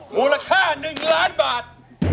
มูลค่า๑ล้านบาท